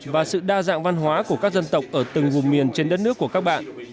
và sự đa dạng văn hóa của các dân tộc ở từng vùng miền trên đất nước của các bạn